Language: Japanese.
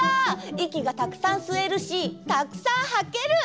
いきがたくさんすえるしたくさんはける！